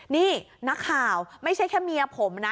นี่นักข่าวไม่ใช่แค่เมียผมนะ